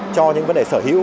cho những vấn đề sở hữu